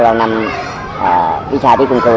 น้องน้องได้อยู่ทั้งส่วน